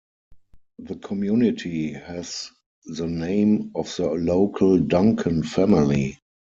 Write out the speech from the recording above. The community has the name of the local Duncan family.